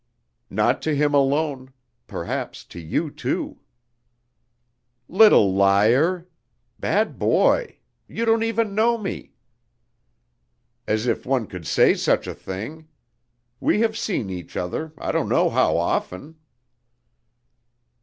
"Not to him alone. Perhaps to you, too." "Little liar! Bad boy. You don't even know me." "As if one could say such a thing! We have seen each other I don't know how often!"